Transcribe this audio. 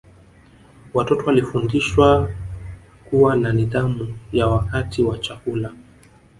Watoto walifundishwa kuwa na nidhamu ya wakati wa chakula